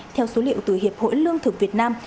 theo số liệu từ hiệp hội lương thực việt nam